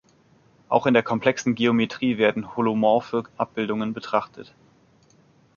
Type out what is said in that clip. Auch in der komplexen Geometrie werden holomorphe Abbildungen betrachtet.